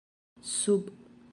sub